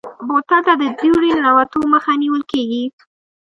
بوتل ته د دوړې ننوتو مخه نیول کېږي.